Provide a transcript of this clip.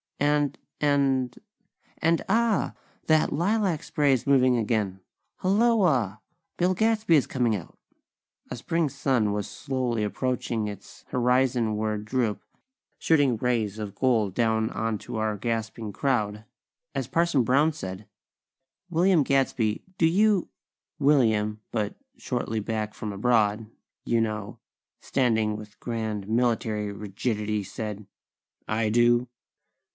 And and and, ah! That lilac spray is moving again! Hulloa! Bill Gadsby is coming out!! A Spring sun was slowly approaching its horizonward droop, shooting rays of gold down onto our gasping crowd, as Parson Brown said: "William Gadsby, do you...?" William, but shortly back from abroad, you know, standing with grand, military rigidity, said: "I do."